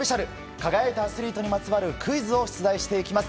輝いたアスリートにまつわるクイズを出題していきます。